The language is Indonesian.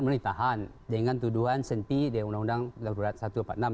menitahan dengan tuduhan senti di undang undang satu ratus delapan puluh enam